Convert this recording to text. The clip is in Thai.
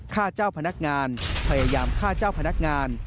ฆ่าเจ้าพนักงานพยายามฆ่าเจ้าพนักงาน